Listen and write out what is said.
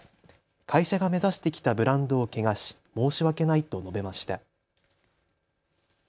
会社が目指してきたブランドを汚し、申し訳ないと述べました。